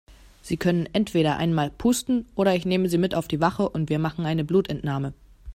Sie können entweder einmal pusten oder ich nehme Sie mit auf die Wache und wir machen eine Blutentnahme.